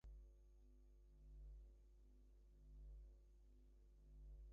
A Japanese reconnaissance aircraft spotted the naval landing force.